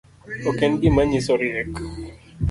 Ok en gima nyiso riek